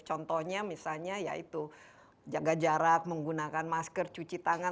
contohnya misalnya yaitu jaga jarak menggunakan masker cuci tangan